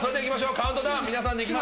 カウントダウン皆さんでいきますよ。